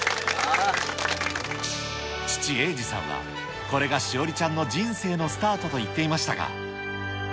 父、英二さんはこれが志織ちゃんの人生のスタートと言っていましたが。